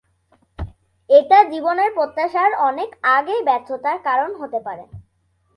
এটা জীবনের প্রত্যাশার অনেক আগেই ব্যর্থতার কারণ হতে পারে।